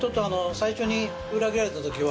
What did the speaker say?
最初に裏切られたときは。